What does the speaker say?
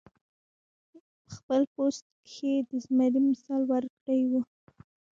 پۀ خپل پوسټ کښې د زمري مثال ورکړے وۀ -